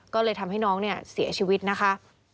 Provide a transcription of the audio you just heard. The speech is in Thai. ก็เลยทำให้น้องเนี่ยเสียชีวิตนะคะ